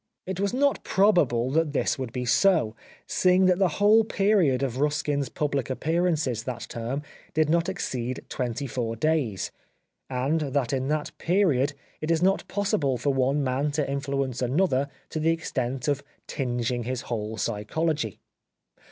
It was not probable that this would be so seeing that the whole period of Ruskin's public appearances that term did not exceed twenty four days, and that in that period it is not possible for one man to influence another to the extent of tinging his whole psychology.